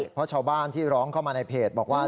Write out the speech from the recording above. เพราะชาวบ้านที่ร้องเข้ามาในเพจบอกว่า